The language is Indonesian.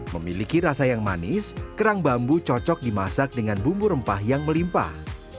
memiliki rasa yang manis kerang bambu cocok dimasak dengan bumbu rempah yang melimpah